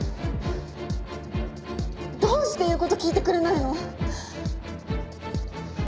どうして言う事聞いてくれないの？